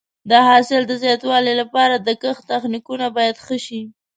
د حاصل د زیاتوالي لپاره د کښت تخنیکونه باید ښه شي.